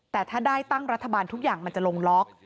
แต่ถ้าได้ตั้งรัฐบาลทุกอย่างมันจะลงล็อก